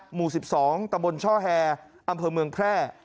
หมู่๑๒ตะบนช่อแฮอำเภอเมืองแพร่